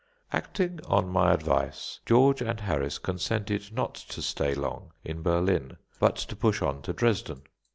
Acting on my advice, George and Harris consented not to stay long in Berlin; but to push on to Dresden.